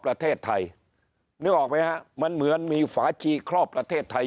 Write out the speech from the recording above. ประเทศไทยนึกออกไหมฮะมันเหมือนมีฝาชีครอบประเทศไทย